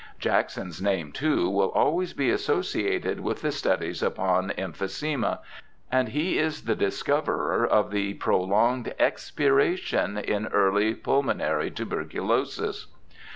Jackson's name, too, will always be associated with the studies upon emphysema, and he is the discoverer of the prolonged expiration in early pulmonary tuberculosis.